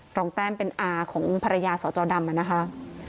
รองแต้มเป็นอาของภรรยาสจดำนะคะ